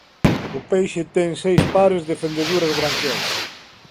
O peixe ten seis pares de fendeduras branquiais.